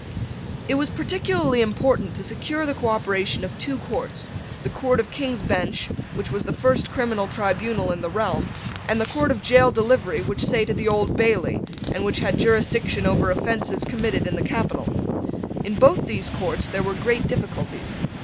It was peculiarly important to secure the cooperation of two courts; the court of King's Bench, which was the first criminal tribunal in the realm, and the court of gaol delivery which sate at the Old Bailey, and which had jurisdiction over offences committed in the capital. In both these courts there were great difficulties.